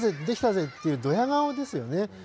できたぜ！」っていうどや顔ですよね。